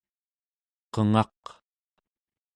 qengaq